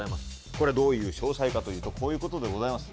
これどういう詳細かというとこういうことでございます